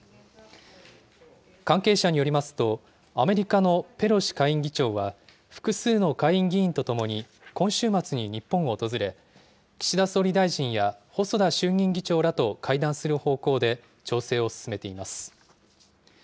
関係者によりますと、アメリカのペロシ下院議長は複数の下院議員と共に今週末に日本を訪れ、岸田総理大臣や細田衆議院議長らと会談する方向で調整を進めています。